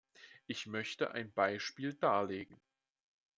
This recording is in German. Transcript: Ich möchte ein Beispiel darlegen.